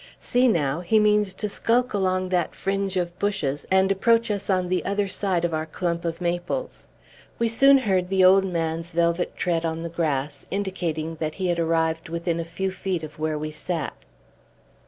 See, now! He means to skulk along that fringe of bushes, and approach us on the other side of our clump of maples." We soon heard the old man's velvet tread on the grass, indicating that he had arrived within a few feet of where we Sat.